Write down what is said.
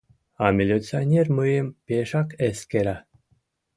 А милиционер мыйым пешак эскера.